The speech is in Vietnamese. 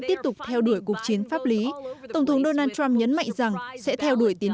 tiếp tục theo đuổi cuộc chiến pháp lý tổng thống donald trump nhấn mạnh rằng sẽ theo đuổi tiến